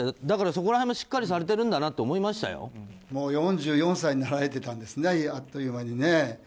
だからそこら辺もしっかりされてるんだなともう４４歳になられていたんですねあっという間にね。